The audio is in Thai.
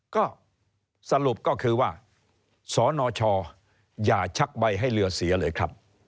ก็สรุปก็คือว่าสนชอย่าชักใบให้เรือเสียเลยครับ